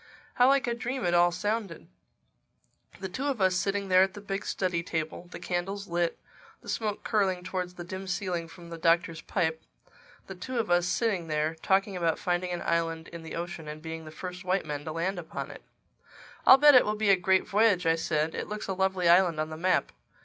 How like a dream it all sounded! The two of us sitting there at the big study table; the candles lit; the smoke curling towards the dim ceiling from the Doctor's pipe—the two of us sitting there, talking about finding an island in the ocean and being the first white men to land upon it! "I'll bet it will be a great voyage," I said. "It looks a lovely island on the map.